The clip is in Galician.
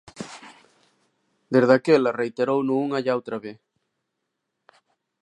Desde aquela reiterouno unha e outra vez.